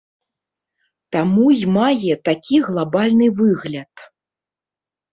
Таму і мае такі глабальны выгляд.